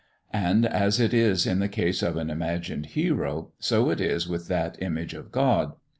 And as it is in the case of an imagined hero, so it is with that image of God.